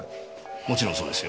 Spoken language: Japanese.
もちろんそうですよ。